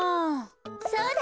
そうだ！